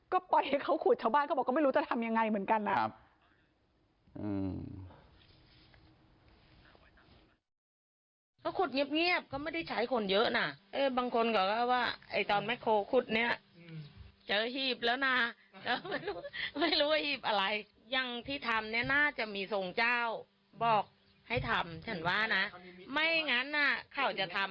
ก็ปล่อยให้เขาขุดชาวบ้านเขาบอกก็ไม่รู้จะทำยังไงเหมือนกันนะ